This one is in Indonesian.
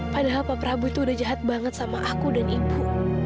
padahal pak prabu itu udah jahat banget sama aku dan ibu